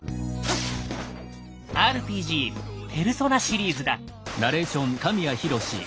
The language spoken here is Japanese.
ＲＰＧ「ペルソナ」シリーズだ。